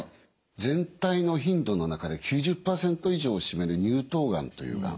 全体の頻度の中で９０％以上を占める乳頭がんというがん。